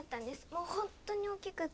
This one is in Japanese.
もう本当に大きくって。